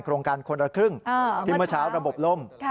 โครงการคนละครึ่งที่เมื่อเช้าระบบล่ม